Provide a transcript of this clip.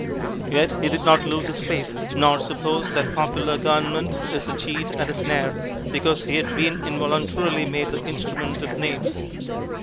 Yet he did not lose his faith, nor suppose that popular government is a cheat and a snare, because he had been involuntarily made the instrument of knaves.